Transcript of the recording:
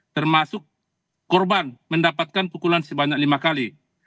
termasuk korban mendapatkan pukulan sebanyak lima kali